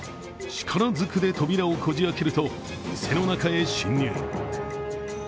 力ずくで扉をこじあけると店の中へ侵入。